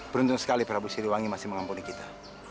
beruntung sekali prabu siliwangi masih mengampuni kita